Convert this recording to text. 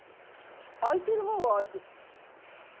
空いてるもんは空いて。